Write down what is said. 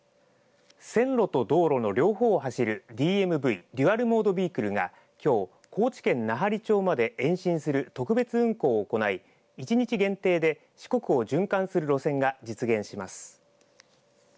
線路と道路の両方を走るＤＭＶ、デュアル・モード・ビークルがきょう高知県奈半利町まで延伸する特別運行を行い１日限定で四国を循環する路線が実現します。